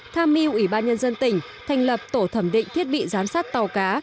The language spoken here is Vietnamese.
tham mưu ủy ban nhân dân tỉnh thành lập tổ thẩm định thiết bị giám sát tàu cá